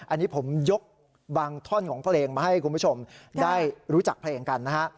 อันนี้ผมยกบางท่อนของเพลงมาให้คุณผู้ชมได้รู้จักเพลงกันนะฮะ